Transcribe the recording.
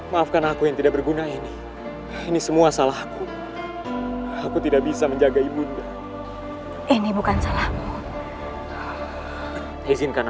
waktu ini harus terselouchi